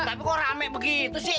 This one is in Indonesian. tapi kok rame begitu sih